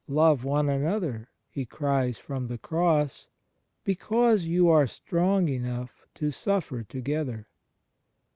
"Love one another," He cries from the Cross, "because you are strong enough to suffer together."